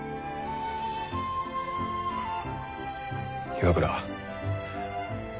岩倉。